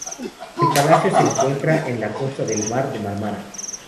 El palacio se encuentra en la costa del mar de Mármara.